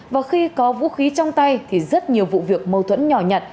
và khi có vũ khí trong tay thì rất nhiều vụ việc mâu thuẫn nhỏ nhặt